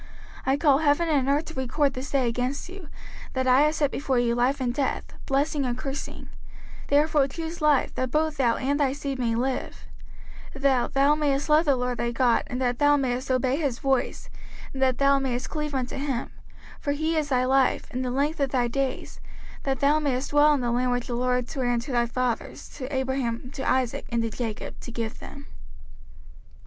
05:030:019 I call heaven and earth to record this day against you, that I have set before you life and death, blessing and cursing: therefore choose life, that both thou and thy seed may live: 05:030:020 That thou mayest love the LORD thy God, and that thou mayest obey his voice, and that thou mayest cleave unto him: for he is thy life, and the length of thy days: that thou mayest dwell in the land which the LORD sware unto thy fathers, to Abraham, to Isaac, and to Jacob, to give them.